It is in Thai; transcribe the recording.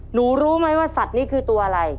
รู้ไหมว่าสัตว์นี้คือตัวอะไร